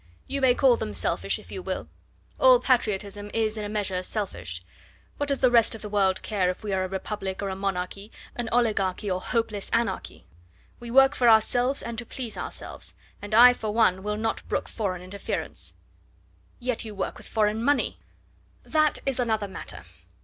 "You may call them selfish if you will; all patriotism is in a measure selfish. What does the rest of the world care if we are a republic or a monarchy, an oligarchy or hopeless anarchy? We work for ourselves and to please ourselves, and I for one will not brook foreign interference." "Yet you work with foreign money!" "That is another matter.